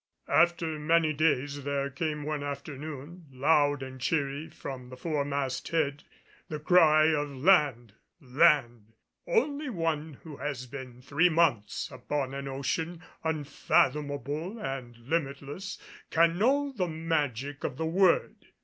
After many days there came, one afternoon, loud and cheery from the fore mast head, the cry of "Land! Land!" Only one who has been three months upon an ocean, unfathomable and limitless, can know the magic of the word.